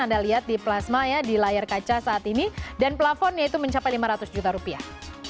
anda lihat di plasma ya di layar kaca saat ini dan plafonnya itu mencapai lima ratus juta rupiah